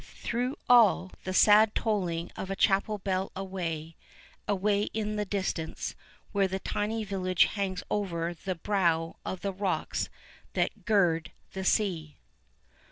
Through all, the sad tolling of a chapel bell away, away in the distance, where the tiny village hangs over the brow of the rocks that gird the sea.